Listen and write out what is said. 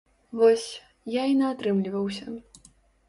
Вось, я і наатрымліваўся!